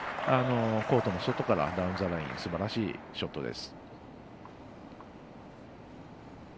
コートの外からダウンザラインにすばらしいショットです。